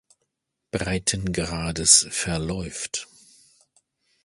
Breitengrades verläuft.